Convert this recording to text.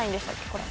これ。